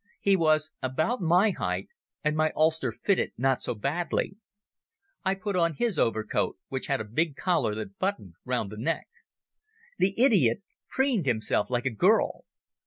He was about my height, and my ulster fitted not so badly. I put on his overcoat, which had a big collar that buttoned round the neck. The idiot preened himself like a girl.